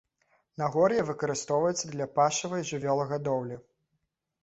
Нагор'е выкарыстоўваецца для пашавай жывёлагадоўлі.